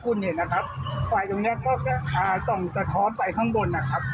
คุณเห็นนะครับไฟตรงเนี้ยก็แค่อ่าส่องสะท้อนไปข้างบนนะครับ